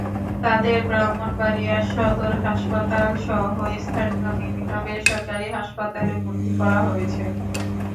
তাঁদের ব্রাহ্মণবাড়িয়া সদর হাসপাতালসহ স্থানীয় বিভিন্ন বেসরকারি হাসপাতালে ভর্তি করা হয়েছে।